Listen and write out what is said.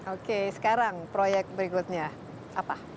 oke sekarang proyek berikutnya apa